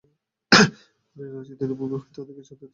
মনের অতিচেতন ভূমি হইতেই অধিকাংশ আধ্যাত্মিক সত্য আহরণ করিতে হয়।